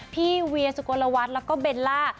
พี่เวียสุโกนละวัดแล้วก็เบลล่า